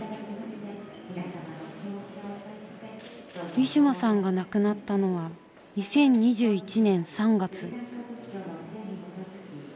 ウィシュマさんが亡くなったのは２０２１年３月。